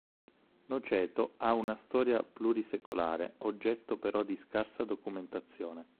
Noceto ha una storia plurisecolare, oggetto però di scarsa documentazione.